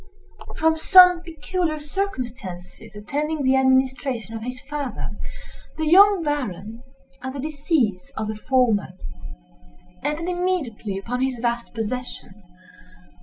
From some peculiar circumstances attending the administration of his father, the young Baron, at the decease of the former, entered immediately upon his vast possessions.